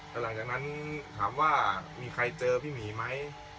แล้วหลังจากนั้นถามว่ามีใครเจอพี่หมีไหม